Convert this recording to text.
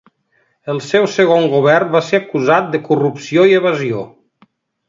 El seu segon govern va ser acusat de corrupció i evasió.